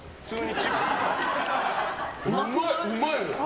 うまい！